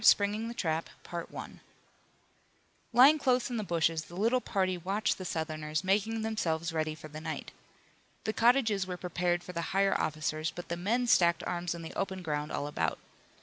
SPRINGING THE TRAP Lying close in the bushes the little party watched the Southerners making themselves ready for the night. The cottages were prepared for the higher officers, but the men stacked arms in the open ground all about.